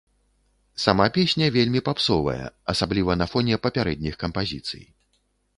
Сама песня вельмі папсовая, асабліва на фоне папярэдніх кампазіцый.